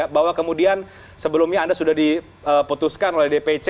bahwa kemudian sebelumnya anda sudah diputuskan oleh dpc